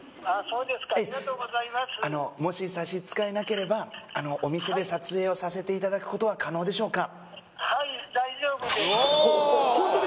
そうですかあのもし差し支えなければお店で撮影をさせていただくことは可能でしょうか？